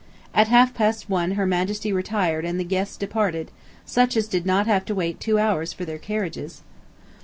At half past one Her Majesty retired and the guests departed, such as did not have to wait two hours for their carriages.